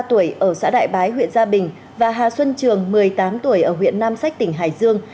vũ tùng dương bốn mươi ba tuổi ở xã đại bái huyện gia bình và hà xuân trường một mươi tám tuổi ở huyện nam sách tỉnh hải dương